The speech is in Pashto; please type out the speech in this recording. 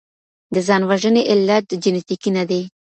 د ځان وژني علت جنيټيکي نه دی.